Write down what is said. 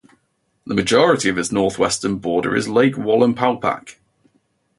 The majority of its northwestern border is Lake Wallenpaupack.